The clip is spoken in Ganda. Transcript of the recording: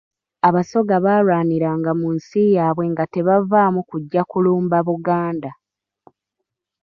Abasoga baalwaniranga mu nsi yaabwe nga tebavaamu kujja kulumba Buganda.